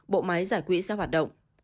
bộ máy giải quỹ sẽ hoạt động